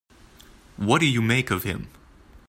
What do you make of him?